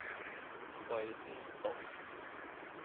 衛理道